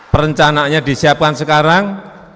perencanaannya disiapkan sekarang